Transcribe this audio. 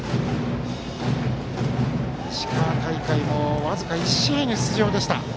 石川大会も僅か１試合の出場でした。